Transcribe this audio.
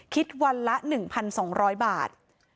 คิดวันละ๑๒๐๐บาท